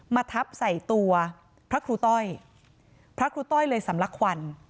ทับใส่ตัวพระครูต้อยพระครูต้อยเลยสำลักควัน